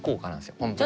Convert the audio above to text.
本当に。